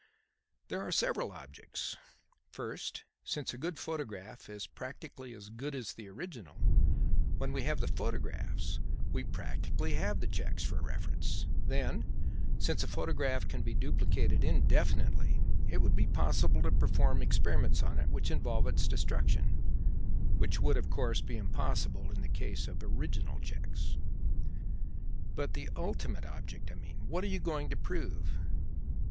"There are several objects. First, since a good photograph is practically as good as the original, when we have the photographs we practically have the cheques for reference. Then, since a photograph can be duplicated indefinitely, it is possible to perform experiments on it which involve its destruction; which would, of course, be impossible in the case of original cheques." "But the ultimate object, I mean. What are you going to prove?"